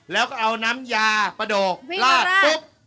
แล้วก็เอาน้ำยาประโดกลาดปุ๊บ